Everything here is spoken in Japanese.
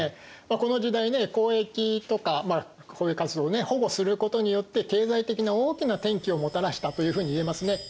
この時代ね交易とか交易活動を保護することによって経済的な大きな転機をもたらしたというふうにいえますね。